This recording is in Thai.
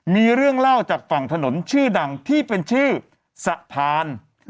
มีเรื่องเล่าจากฝั่งถนนชื่อดังที่เป็นชื่อสะพาน